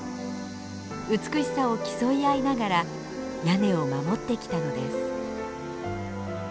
美しさを競い合いながら屋根を守ってきたのです。